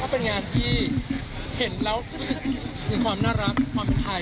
เป็นงานที่เห็นแล้วรู้สึกมีความน่ารักความเป็นไทย